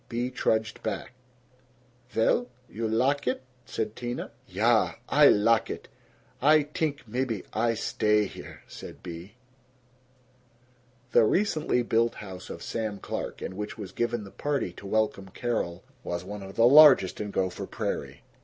Bea trudged back. "Vell? You lak it?" said Tina. "Ya. Ay lak it. Ay t'ink maybe Ay stay here," said Bea. IV The recently built house of Sam Clark, in which was given the party to welcome Carol, was one of the largest in Gopher Prairie.